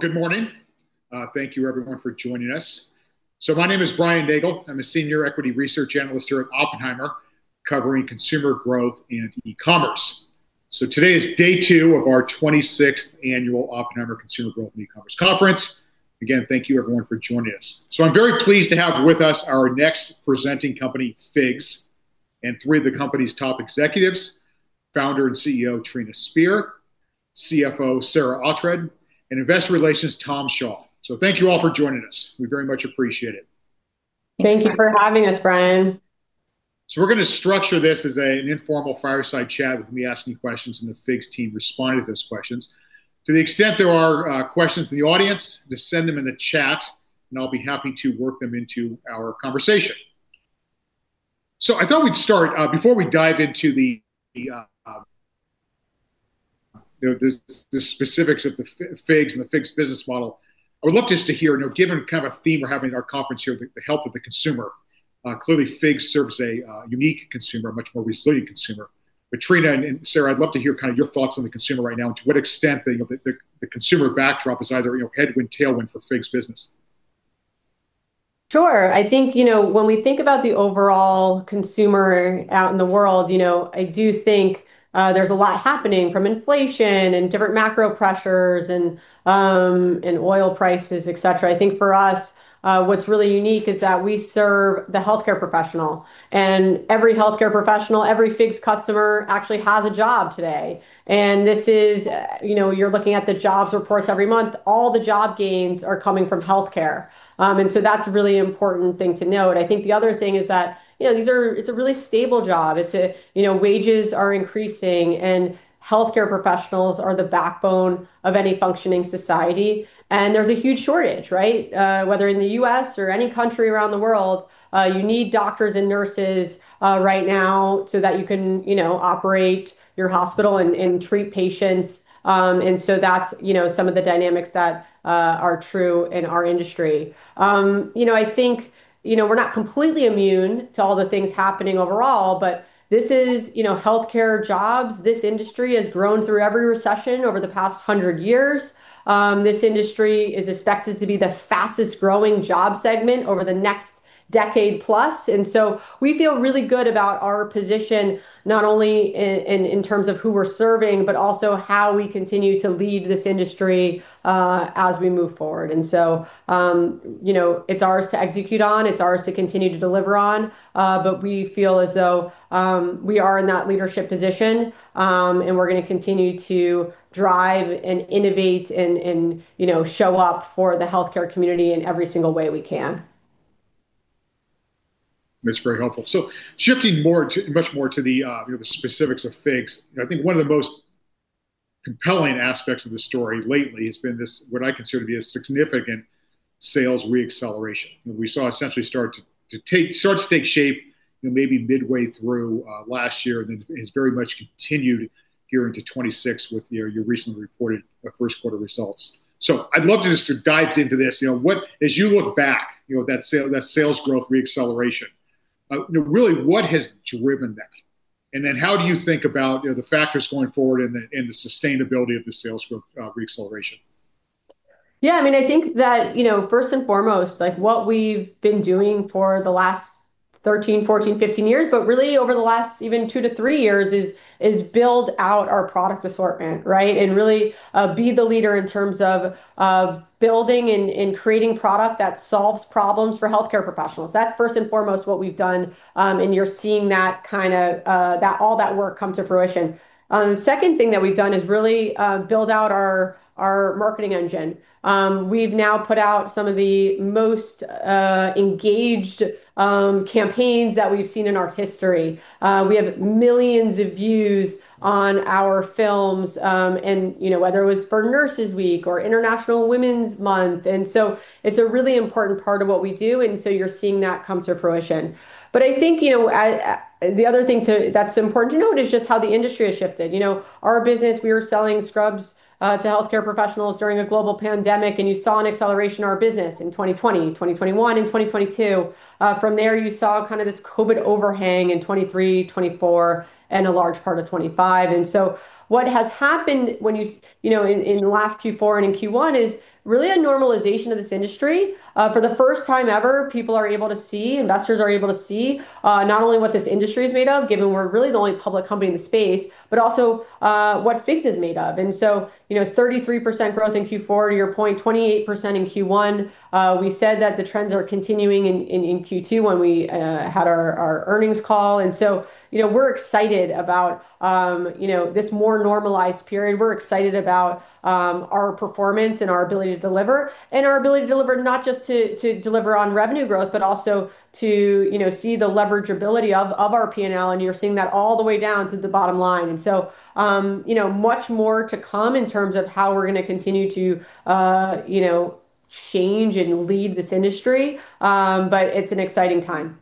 Good morning. Thank you everyone for joining us. My name is Brian Nagel. I'm a Senior Equity Research Analyst here at Oppenheimer, covering consumer growth and e-commerce. Today is day two of our 26th annual Oppenheimer Consumer Growth and E-commerce Conference. Again, thank you everyone for joining us. I'm very pleased to have with us our next presenting company, FIGS, and three of the company's top executives, Founder and CEO, Trina Spear, CFO, Sarah Oughtred, and Investor Relations, Tom Shaw. Thank you all for joining us. We very much appreciate it. Thank you for having us, Brian. We're going to structure this as an informal fireside chat with me asking questions and the FIGS team responding to those questions. To the extent there are questions from the audience, just send them in the chat, and I'll be happy to work them into our conversation. I thought we'd start, before we dive into the specifics of the FIGS and the FIGS business model, I would love just to hear, given kind of a theme we're having in our conference here, the health of the consumer. Clearly, FIGS serves a unique consumer, a much more resilient consumer. Trina and Sarah, I'd love to hear your thoughts on the consumer right now and to what extent the consumer backdrop is either headwind, tailwind for FIGS business. Sure. I think, when we think about the overall consumer out in the world, I do think there's a lot happening from inflation and different macro pressures and oil prices, et cetera. I think for us, what's really unique is that we serve the healthcare professional, and every healthcare professional, every FIGS customer actually has a job today. You're looking at the jobs reports every month. All the job gains are coming from healthcare. That's a really important thing to note. I think the other thing is that it's a really stable job. Wages are increasing, and healthcare professionals are the backbone of any functioning society. There's a huge shortage, right? Whether in the U.S. or any country around the world, you need doctors and nurses right now so that you can operate your hospital and treat patients. That's some of the dynamics that are true in our industry. We're not completely immune to all the things happening overall, but this is healthcare jobs. This industry has grown through every recession over the past 100 years. This industry is expected to be the fastest-growing job segment over the next decade plus. We feel really good about our position, not only in terms of who we're serving, but also how we continue to lead this industry as we move forward. It's ours to execute on, it's ours to continue to deliver on. We feel as though we are in that leadership position, and we're going to continue to drive and innovate and show up for the healthcare community in every single way we can. That's very helpful. Shifting much more to the specifics of FIGS. One of the most compelling aspects of the story lately has been this, what I consider to be a significant sales re-acceleration. We saw essentially start to take shape maybe midway through last year, that has very much continued here into 2026 with your recently reported first quarter results. I'd love to just dive into this. As you look back, that sales growth re-acceleration, really what has driven that? How do you think about the factors going forward and the sustainability of the sales growth re-acceleration? First and foremost, what we've been doing for the last 13, 14, 15 years, but really over the last even two to three years, is build out our product assortment, right? Really be the leader in terms of building and creating product that solves problems for healthcare professionals. That's first and foremost what we've done. You're seeing all that work come to fruition. The second thing that we've done is really build out our marketing engine. We've now put out some of the most engaged campaigns that we've seen in our history. We have millions of views on our films, whether it was for Nurses Week or International Women's Month. It's a really important part of what we do, you're seeing that come to fruition. The other thing that's important to note is just how the industry has shifted. Our business, we were selling scrubs to healthcare professionals during a global pandemic, you saw an acceleration of our business in 2020, 2021, and 2022. From there, you saw kind of this COVID overhang in 2023, 2024, and a large part of 2025. What has happened in the last Q4 and in Q1 is really a normalization of this industry. For the first time ever, people are able to see, investors are able to see, not only what this industry is made of, given we're really the only public company in the space, but also what FIGS is made of. 33% growth in Q4, to your point, 28% in Q1. We said that the trends are continuing in Q2 when we had our earnings call. We're excited about this more normalized period. We're excited about our performance and our ability to deliver, and our ability to deliver not just to deliver on revenue growth, but also to see the leverageability of our P&L, and you're seeing that all the way down to the bottom line. Much more to come in terms of how we're going to continue to change and lead this industry. It's an exciting time.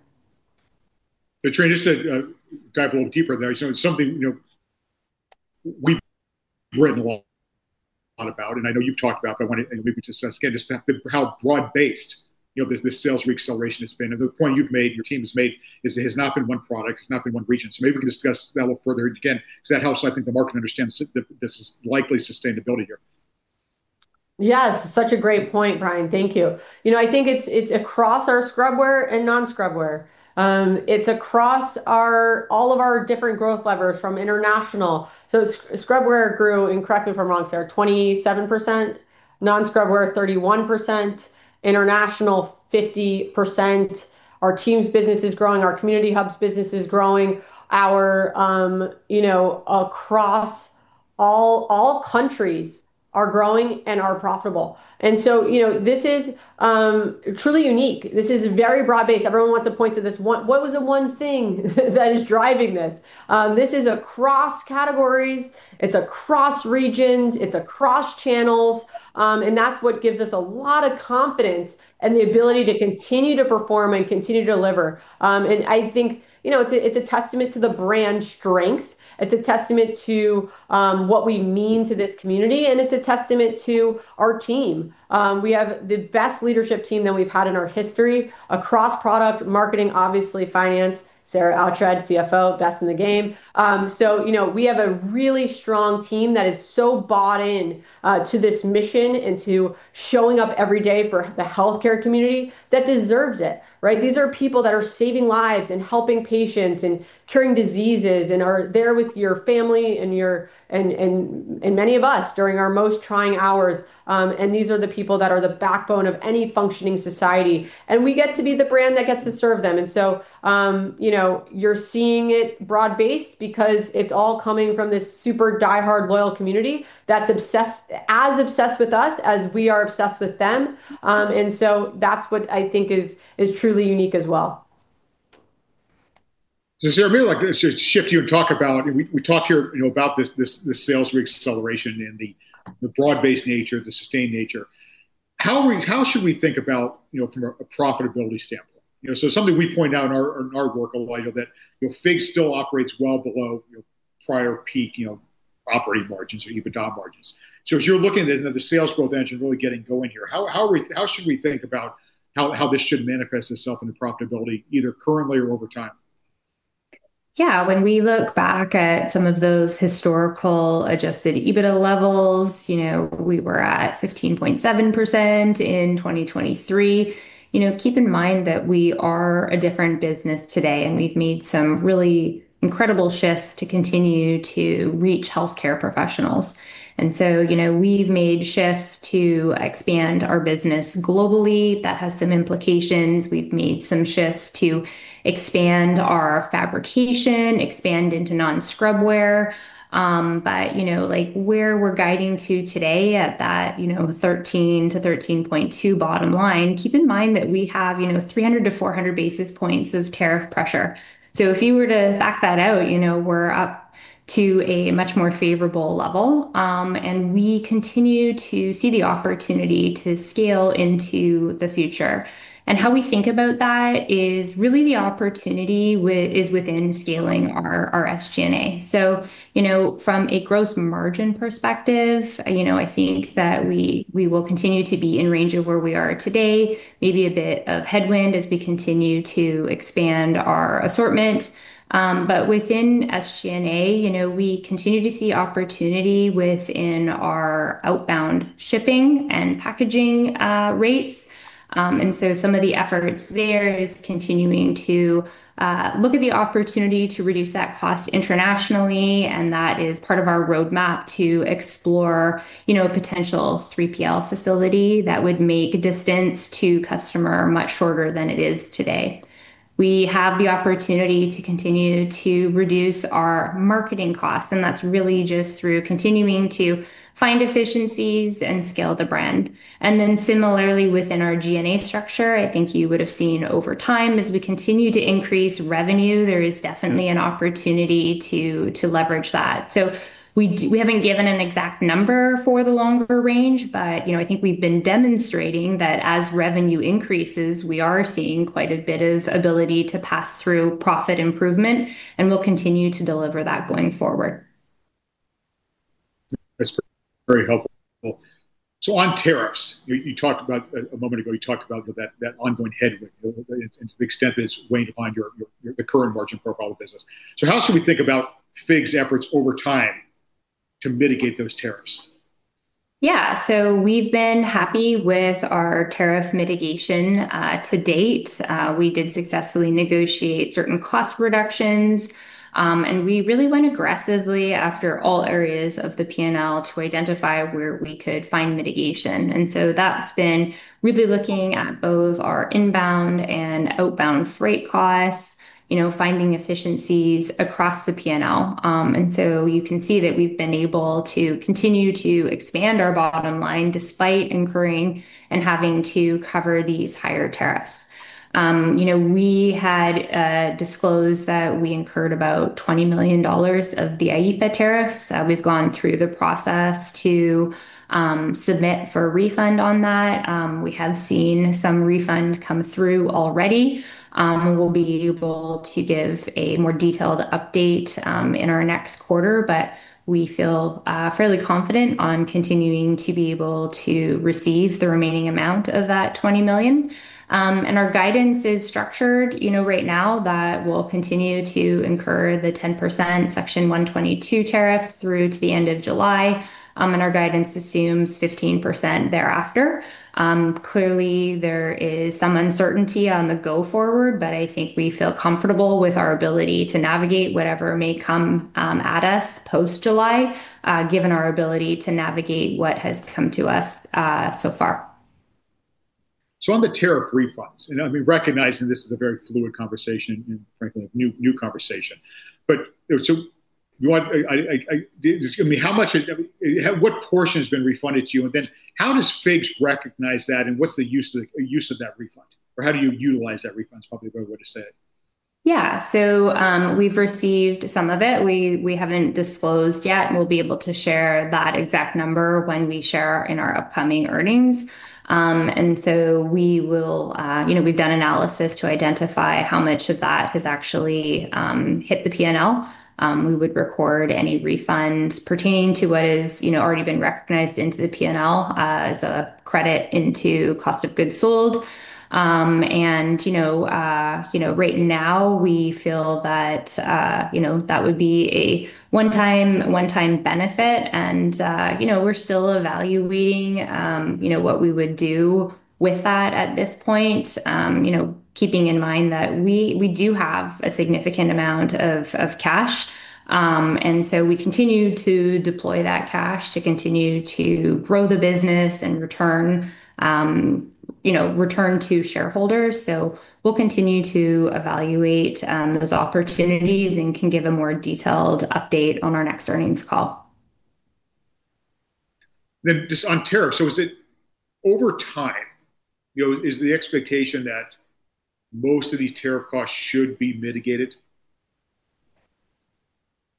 Trina, just to dive a little deeper there. It's something we've written a lot about, and I know you've talked about, but I want maybe to discuss again, just how broad-based this sales re-acceleration has been. The point you've made, and your team has made, is it has not been one product, it's not been one region. Maybe we can discuss that a little further. Again, because that helps, I think, the market understand this likely sustainability here. Yes, such a great point, Brian. Thank you. I think it's across our scrubwear and non-scrub wear. It's across all of our different growth levers from international. scrubwear grew, and correct me if I'm wrong, Sarah, 27%, non-scrub wear 31%, international 50%. Our Teams business is growing, our Community Hubs business is growing. Across all countries are growing and are profitable. This is truly unique. This is very broad-based. Everyone wants to point to this one. What was the one thing that is driving this? This is across categories, it's across regions, it's across channels. That's what gives us a lot of confidence and the ability to continue to perform and continue to deliver. I think, it's a testament to the brand strength. It's a testament to what we mean to this community, and it's a testament to our team. We have the best leadership team that we've had in our history across product, marketing, obviously finance, Sarah Oughtred, CFO, best in the game. We have a really strong team that is so bought in to this mission and to showing up every day for the healthcare community that deserves it, right? These are people that are saving lives and helping patients and curing diseases and are there with your family and many of us during our most trying hours. These are the people that are the backbone of any functioning society, and we get to be the brand that gets to serve them. That's what I think is truly unique as well. Sarah, maybe I'd like to shift here and talk about, we talked here about the sales re-acceleration and the broad-based nature, the sustained nature. How should we think about from a profitability standpoint? Something we point out in our work a lot that FIGS still operates well below prior peak operating margins or EBITDA margins. As you're looking at the sales growth engine really getting going here, how should we think about how this should manifest itself into profitability, either currently or over time? Yeah. When we look back at some of those historical adjusted EBITDA levels, we were at 15.7% in 2023. Keep in mind that we are a different business today, and we've made some really incredible shifts to continue to reach healthcare professionals. We've made shifts to expand our business globally. That has some implications. We've made some shifts to expand our fabrication, expand into non-scrub wear. Where we're guiding to today at that 13%-13.2% bottom line, keep in mind that we have 300 to 400 basis points of tariff pressure. If you were to back that out, we're up to a much more favorable level. We continue to see the opportunity to scale into the future. How we think about that is really the opportunity is within scaling our SG&A. From a gross margin perspective, I think that we will continue to be in range of where we are today, maybe a bit of headwind as we continue to expand our assortment. Within SG&A, we continue to see opportunity within our outbound shipping and packaging rates. Some of the efforts there is continuing to look at the opportunity to reduce that cost internationally, and that is part of our roadmap to explore a potential 3PL facility that would make distance to customer much shorter than it is today. We have the opportunity to continue to reduce our marketing costs, and that's really just through continuing to find efficiencies and scale the brand. Similarly within our G&A structure, I think you would have seen over time, as we continue to increase revenue, there is definitely an opportunity to leverage that. We haven't given an exact number for the longer range, but I think we've been demonstrating that as revenue increases, we are seeing quite a bit of ability to pass through profit improvement, and we'll continue to deliver that going forward. That's very helpful. On tariffs, a moment ago, you talked about that ongoing headwind and to the extent that it's weighing upon the current margin profile of the business. How should we think about FIGS' efforts over time to mitigate those tariffs? Yeah. We've been happy with our tariff mitigation to date. We did successfully negotiate certain cost reductions. We really went aggressively after all areas of the P&L to identify where we could find mitigation. That's been really looking at both our inbound and outbound freight costs, finding efficiencies across the P&L. You can see that we've been able to continue to expand our bottom line despite incurring and having to cover these higher tariffs. We had disclosed that we incurred about $20 million of the IEEPA tariffs. We've gone through the process to submit for a refund on that. We have seen some refund come through already. We'll be able to give a more detailed update in our next quarter, but we feel fairly confident on continuing to be able to receive the remaining amount of that $20 million. Our guidance is structured right now that we'll continue to incur the 10% Section 301 tariffs through to the end of July, our guidance assumes 15% thereafter. Clearly, there is some uncertainty on the go forward, I think we feel comfortable with our ability to navigate whatever may come at us post-July, given our ability to navigate what has come to us so far. On the tariff refunds, I recognize that this is a very fluid conversation and frankly, a new conversation. I mean, what portion has been refunded to you? How does FIGS recognize that and what's the use of that refund? Or how do you utilize that refund is probably a better way to say it. Yeah. We've received some of it. We haven't disclosed yet, and we'll be able to share that exact number when we share in our upcoming earnings. We've done analysis to identify how much of that has actually hit the P&L. We would record any refund pertaining to what has already been recognized into the P&L as a credit into cost of goods sold. Right now we feel that would be a one-time benefit and we're still evaluating what we would do with that at this point, keeping in mind that we do have a significant amount of cash. We continue to deploy that cash to continue to grow the business and return to shareholders. We'll continue to evaluate those opportunities and can give a more detailed update on our next earnings call. Just on tariffs. Is it over time, is the expectation that most of these tariff costs should be mitigated?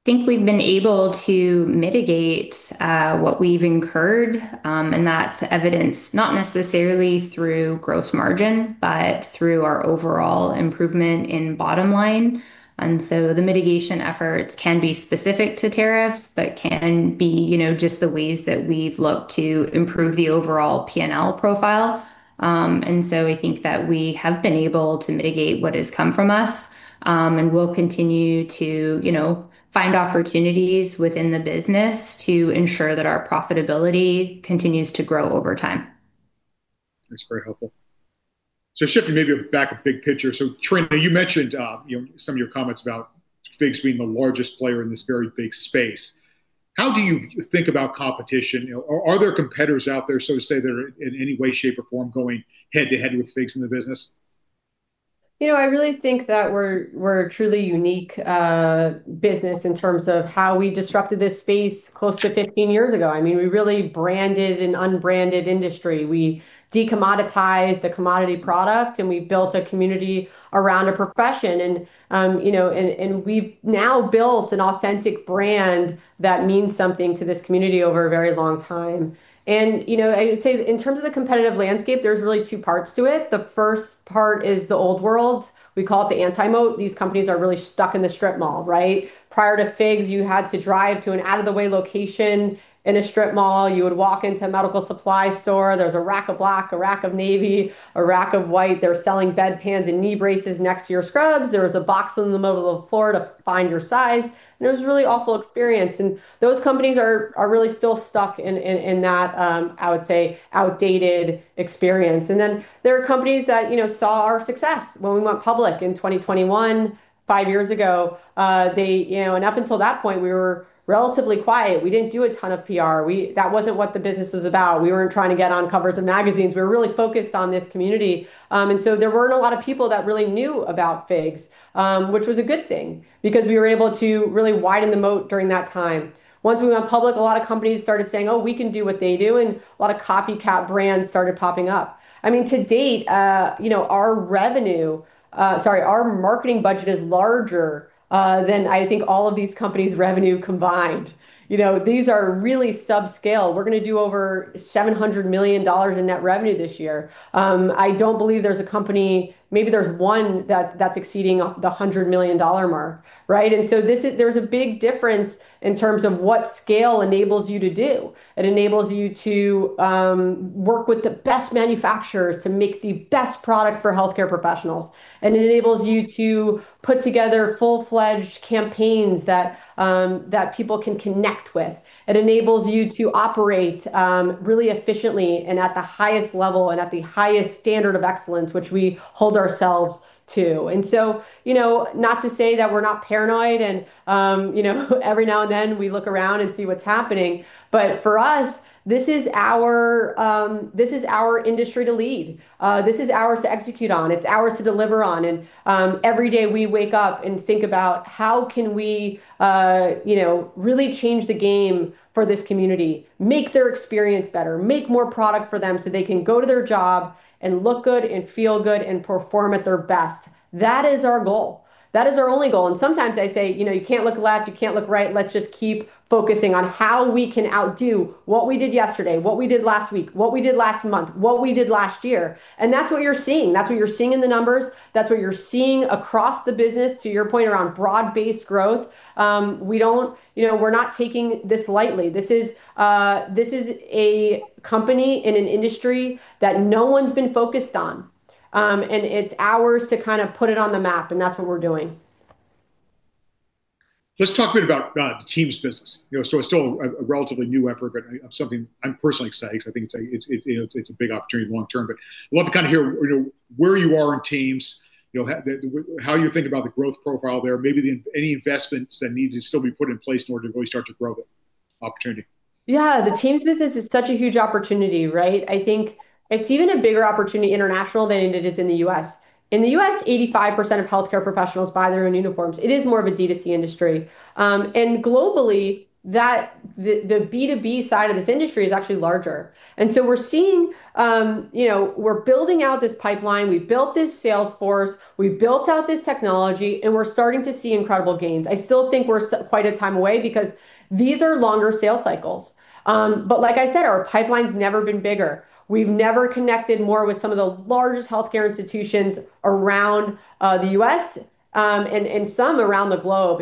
I think we've been able to mitigate what we've incurred. That's evidence not necessarily through gross margin, but through our overall improvement in bottom line. The mitigation efforts can be specific to tariffs, but can be just the ways that we've looked to improve the overall P&L profile. I think that we have been able to mitigate what has come from us. We'll continue to find opportunities within the business to ensure that our profitability continues to grow over time. That's very helpful. Shifting maybe back a big picture. Trina, you mentioned some of your comments about FIGS being the largest player in this very big space. How do you think about competition? Are there competitors out there, so to say, that are in any way, shape, or form going head to head with FIGS in the business? I really think that we're a truly unique business in terms of how we disrupted this space close to 15 years ago. We really branded an unbranded industry. We de-commoditized a commodity product, we built a community around a profession. We've now built an authentic brand that means something to this community over a very long time. I would say that in terms of the competitive landscape, there's really two parts to it. The first part is the old world. We call it the anti-moat. These companies are really stuck in the strip mall. Prior to FIGS, you had to drive to an out-of-the-way location in a strip mall. You would walk into a medical supply store. There was a rack of black, a rack of navy, a rack of white. They were selling bedpans and knee braces next to your scrubs. There was a box on the middle of the floor to find your size, it was a really awful experience. Those companies are really still stuck in that, I would say, outdated experience. There are companies that saw our success when we went public in 2021, five years ago. Up until that point, we were relatively quiet. We didn't do a ton of PR. That wasn't what the business was about. We weren't trying to get on covers of magazines. We were really focused on this community. There weren't a lot of people that really knew about FIGS, which was a good thing because we were able to really widen the moat during that time. Once we went public, a lot of companies started saying, "Oh, we can do what they do," a lot of copycat brands started popping up. To date our marketing budget is larger than I think all of these companies' revenue combined. These are really subscale. We're going to do over $700 million in net revenue this year. I don't believe there's a company, maybe there's one, that's exceeding the $100 million mark. There's a big difference in terms of what scale enables you to do. It enables you to work with the best manufacturers to make the best product for healthcare professionals. It enables you to put together full-fledged campaigns that people can connect with. It enables you to operate really efficiently and at the highest level and at the highest standard of excellence, which we hold ourselves to. Not to say that we're not paranoid every now and then we look around and see what's happening, for us, this is our industry to lead. This is ours to execute on. It's ours to deliver on. Every day we wake up and think about how can we really change the game for this community, make their experience better, make more product for them so they can go to their job and look good and feel good and perform at their best. That is our goal. That is our only goal. Sometimes I say, "You can't look left, you can't look right. Let's just keep focusing on how we can outdo what we did yesterday, what we did last week, what we did last month, what we did last year." That's what you're seeing. That's what you're seeing in the numbers. That's what you're seeing across the business, to your point around broad-based growth. We're not taking this lightly. This is a company in an industry that no one's been focused on. It's ours to kind of put it on the map, and that's what we're doing. Let's talk a bit about the FIGS TEAMS business. It's still a relatively new effort, but something I'm personally excited because I think it's a big opportunity long term. I'd love to kind of hear where you are in FIGS TEAMS, how you think about the growth profile there, maybe any investments that need to still be put in place in order to really start to grow it. Yeah. The FIGS TEAMS business is such a huge opportunity, right? I think it's even a bigger opportunity international than it is in the U.S. In the U.S., 85% of healthcare professionals buy their own uniforms. It is more of a D2C industry. Globally, the B2B side of this industry is actually larger. We're building out this pipeline, we've built this sales force, we've built out this technology, and we're starting to see incredible gains. I still think we're quite a time away because these are longer sales cycles. Like I said, our pipeline's never been bigger. We've never connected more with some of the largest healthcare institutions around the U.S., and some around the globe.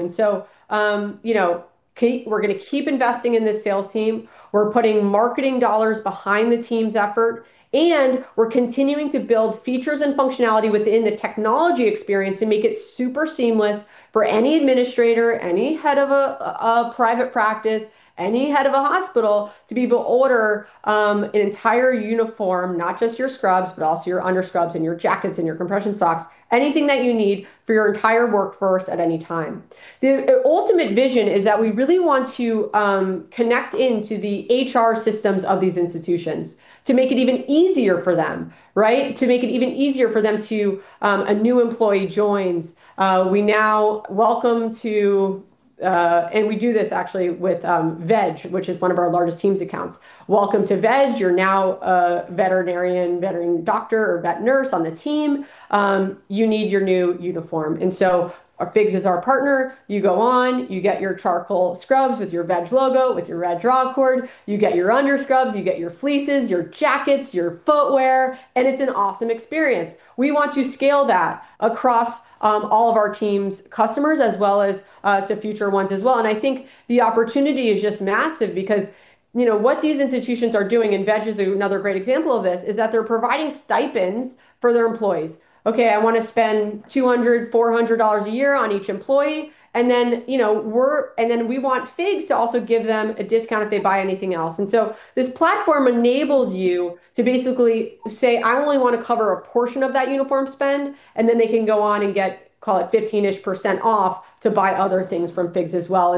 We're going to keep investing in this sales team. We're putting marketing dollars behind the FIGS TEAMS effort, and we're continuing to build features and functionality within the technology experience and make it super seamless for any administrator, any head of a private practice, any head of a hospital, to be able to order an entire uniform, not just your scrubs, but also your underscrubs and your jackets and your compression socks, anything that you need for your entire workforce at any time. The ultimate vision is that we really want to connect into the HR systems of these institutions to make it even easier for them, right? To make it even easier for them to, a new employee joins. We now welcome to, and we do this actually with VEG, which is one of our largest FIGS TEAMS accounts. "Welcome to VEG. You're now a veterinarian, veteran doctor, or vet nurse on the team. You need your new uniform." FIGS is our partner. You go on, you get your charcoal scrubs with your VEG logo, with your red draw cord. You get your underscrubs, you get your fleeces, your jackets, your footwear, and it's an awesome experience. We want to scale that across all of our FIGS TEAMS customers, as well as to future ones as well. I think the opportunity is just massive because what these institutions are doing, VEG is another great example of this, is that they're providing stipends for their employees. "Okay, I want to spend $200, $400 a year on each employee." We want FIGS to also give them a discount if they buy anything else. This platform enables you to basically say, "I only want to cover a portion of that uniform spend." They can go on and get, call it, 15-ish% off to buy other things from FIGS as well.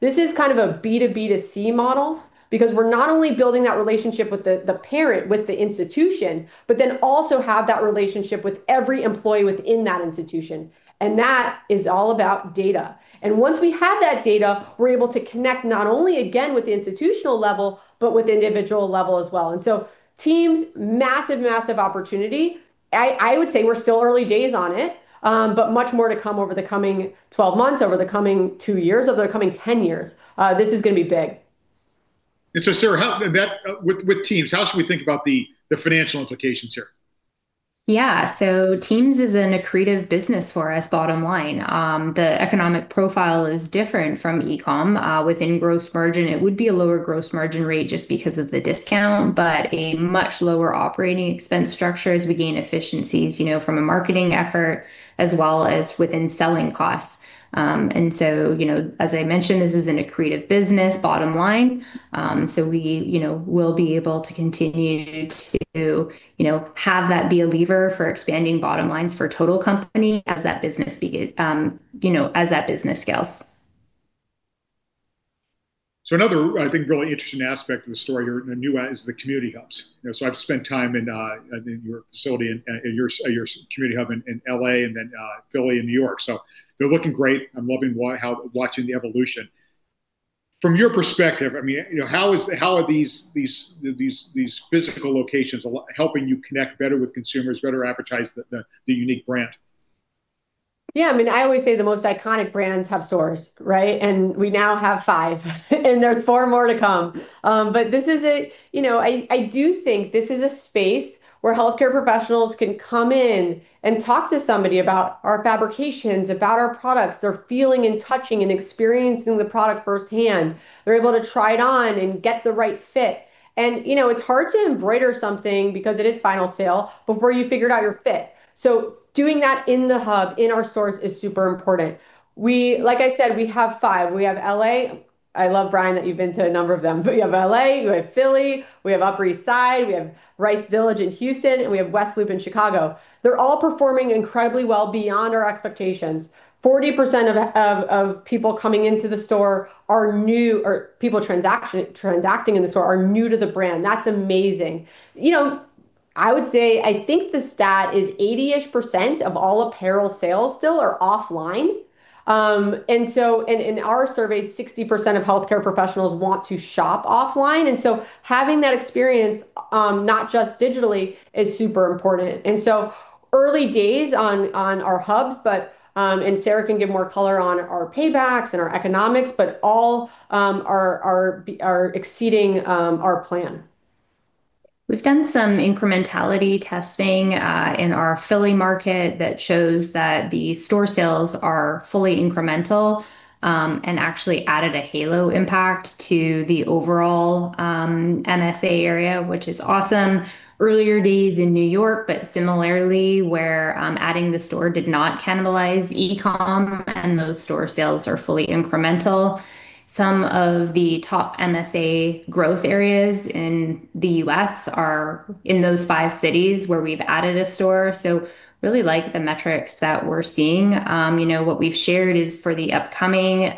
This is kind of a B2B2C model because we're not only building that relationship with the parent, with the institution, but also have that relationship with every employee within that institution. That is all about data. Once we have that data, we're able to connect not only again with the institutional level, but with individual level as well. FIGS TEAMS, massive opportunity. I would say we're still early days on it, but much more to come over the coming 12 months, over the coming two years, over the coming 10 years. This is going to be big. Sarah, with FIGS TEAMS, how should we think about the financial implications here? Yeah. FIGS TEAMS is an accretive business for us bottom line. The economic profile is different from e-com. Within gross margin, it would be a lower gross margin rate just because of the discount, but a much lower operating expense structure as we gain efficiencies from a marketing effort as well as within selling costs. As I mentioned, this is an accretive business bottom line. We will be able to continue to have that be a lever for expanding bottom lines for total company as that business scales. Another, I think, really interesting aspect of the story here, the new ads, the Community Hubs. I've spent time in your facility, in your Community Hub in L.A., and then Philly and New York. They're looking great. I'm loving watching the evolution. From your perspective, how are these physical locations helping you connect better with consumers, better advertise the unique brand? I always say the most iconic brands have stores, right? We now have five and there's four more to come. I do think this is a space where healthcare professionals can come in and talk to somebody about our fabrications, about our products. They're feeling and touching and experiencing the product firsthand. They're able to try it on and get the right fit. It's hard to embroider something, because it is final sale, before you've figured out your fit. Doing that in the hub, in our stores, is super important. Like I said, we have five. We have L.A. I love, Brian, that you've been to a number of them. We have L.A., we have Philly, we have Upper East Side, we have Rice Village in Houston, and we have West Loop in Chicago. They're all performing incredibly well, beyond our expectations. 40% of people coming into the store, or people transacting in the store, are new to the brand. That's amazing. I would say, I think the stat is 80-ish% of all apparel sales still are offline. In our surveys, 60% of healthcare professionals want to shop offline, having that experience, not just digitally, is super important. Early days on our hubs, and Sarah can give more color on our paybacks and our economics, but all are exceeding our plan. We've done some incrementality testing in our Philly market that shows that the store sales are fully incremental, actually added a halo impact to the overall MSA area, which is awesome. Earlier days in New York, but similarly, where adding the store did not cannibalize e-com, those store sales are fully incremental. Some of the top MSA growth areas in the U.S. are in those five cities where we've added a store. Really like the metrics that we're seeing. What we've shared is for the upcoming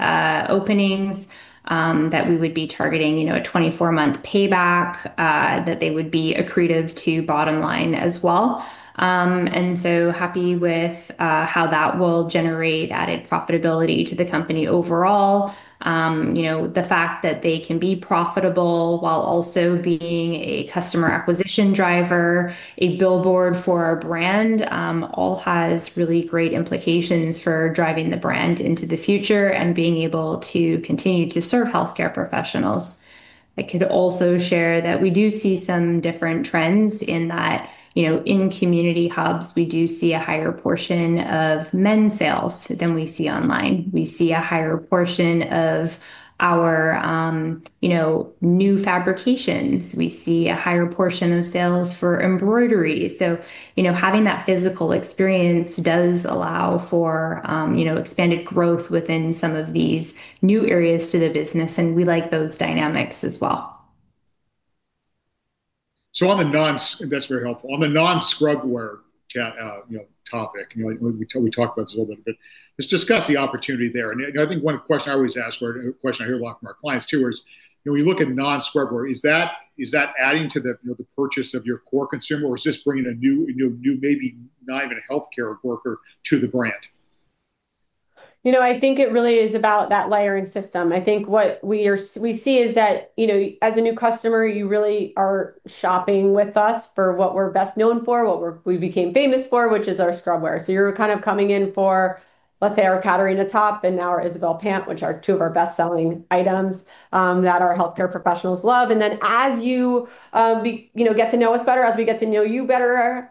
openings, that we would be targeting a 24-month payback, that they would be accretive to bottom line as well. Happy with how that will generate added profitability to the company overall. The fact that they can be profitable while also being a customer acquisition driver, a billboard for our brand, all has really great implications for driving the brand into the future and being able to continue to serve healthcare professionals. I could also share that we do see some different trends in that, in Community Hubs, we do see a higher portion of men's sales than we see online. We see a higher portion of our new fabrications. We see a higher portion of sales for embroidery. Having that physical experience does allow for expanded growth within some of these new areas to the business, and we like those dynamics as well. That's very helpful. On the non-scrub wear topic, we talked about this a little bit, but let's discuss the opportunity there. I think one question I always ask, a question I hear a lot from our clients too is, when you look at non-scrub wear, is that adding to the purchase of your core consumer or is this bringing a new, maybe not even a healthcare worker to the brand? I think it really is about that layering system. I think what we see is that, as a new customer, you really are shopping with us for what we're best known for, what we became famous for, which is our scrub wear. You're kind of coming in for, let's say, our Catarina top and our Isabel pant, which are two of our best-selling items that our healthcare professionals love. Then as you get to know us better, as we get to know you better,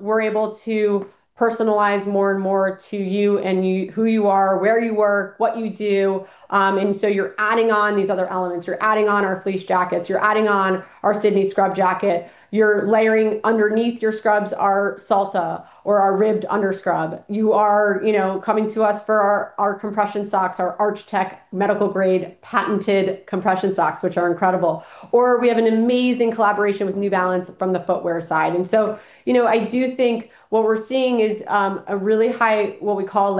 we're able to personalize more and more to you and who you are, where you work, what you do. So you're adding on these other elements. You're adding on our fleece jackets. You're adding on our Sydney scrub jacket. You're layering underneath your scrubs our Salta or our ribbed under scrub. You are coming to us for our compression socks, our ArchTek medical-grade patented compression socks, which are incredible. Or we have an amazing collaboration with New Balance from the footwear side. So, I do think what we're seeing is a really high, what we call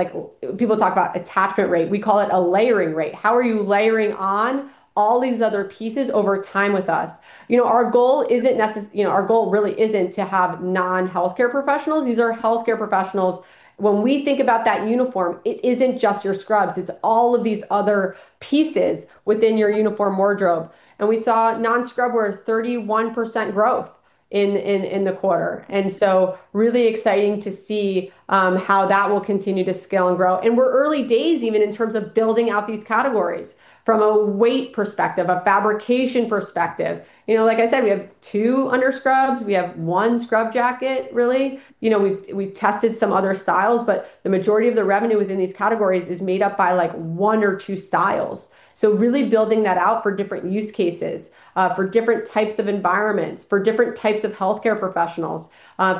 People talk about attachment rate. We call it a layering rate. How are you layering on all these other pieces over time with us? Our goal really isn't to have non-healthcare professionals. These are healthcare professionals. When we think about that uniform, it isn't just your scrubs, it's all of these other pieces within your uniform wardrobe. We saw non-scrub wear 31% growth in the quarter, so really exciting to see how that will continue to scale and grow. We're early days even in terms of building out these categories from a weight perspective, a fabrication perspective. Like I said, we have two under scrubs. We have one scrub jacket, really. We've tested some other styles, but the majority of the revenue within these categories is made up by one or two styles. Really building that out for different use cases, for different types of environments, for different types of healthcare professionals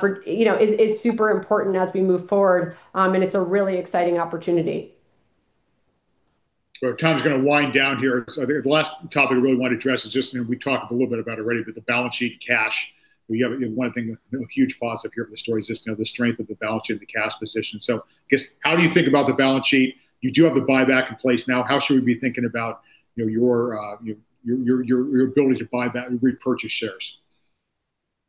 is super important as we move forward, and it's a really exciting opportunity. Time's going to wind down here. I think the last topic I really want to address is just, and we talked a little bit about it already, but the balance sheet cash. One thing, a huge positive here for the story is just the strength of the balance sheet, the cash position. I guess, how do you think about the balance sheet? You do have the buyback in place now. How should we be thinking about your ability to buy back and repurchase shares?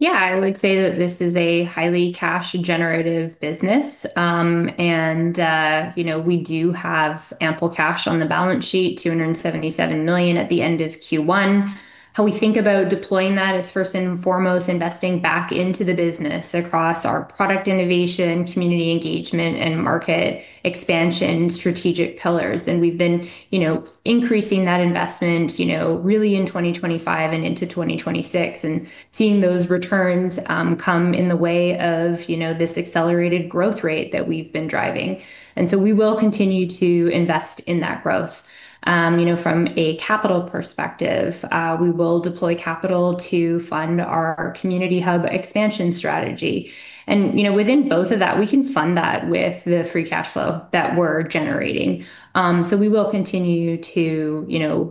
Yeah. I would say that this is a highly cash-generative business. We do have ample cash on the balance sheet, $277 million at the end of Q1. How we think about deploying that is first and foremost investing back into the business across our product innovation, community engagement, and market expansion strategic pillars. We've been increasing that investment really in 2025 and into 2026 and seeing those returns come in the way of this accelerated growth rate that we've been driving. We will continue to invest in that growth. From a capital perspective, we will deploy capital to fund our Community Hub expansion strategy. Within both of that, we can fund that with the free cash flow that we're generating. We will continue to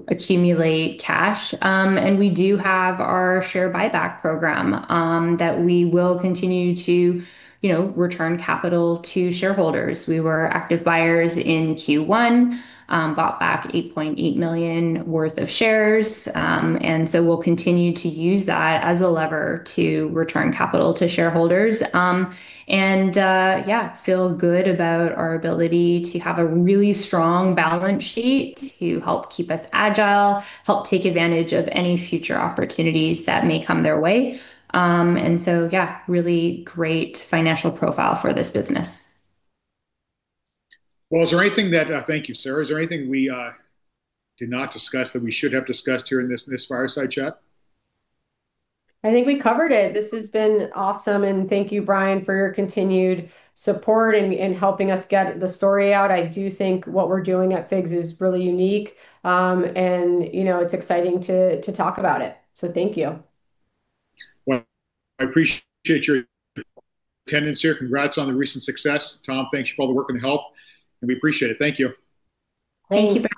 accumulate cash. We do have our share buyback program that we will continue to return capital to shareholders. We were active buyers in Q1. Bought back $8.8 million worth of shares. We'll continue to use that as a lever to return capital to shareholders. Yeah, feel good about our ability to have a really strong balance sheet to help keep us agile, help take advantage of any future opportunities that may come their way. Yeah, really great financial profile for this business. Well, thank you, Sarah. Is there anything we did not discuss that we should have discussed here in this fireside chat? I think we covered it. This has been awesome, and thank you, Brian, for your continued support and helping us get the story out. I do think what we're doing at FIGS is really unique. It's exciting to talk about it, thank you. Well, I appreciate your attendance here. Congrats on the recent success. Tom, thanks for all the work and help, and we appreciate it. Thank you.